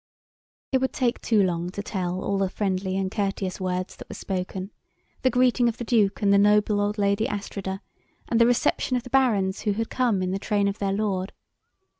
It would take too long to tell all the friendly and courteous words that were spoken, the greeting of the Duke and the noble old Lady Astrida, and the reception of the Barons who had come in the train of their Lord.